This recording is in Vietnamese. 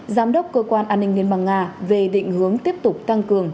giám đốc cơ quan an ninh liên bang nga về định hướng tiếp tục tăng cường